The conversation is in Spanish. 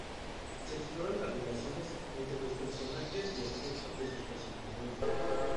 Se exploran las relaciones entre los personajes y aspectos de sus personalidades.